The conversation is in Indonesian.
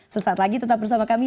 sesaat lagi tetap bersama kami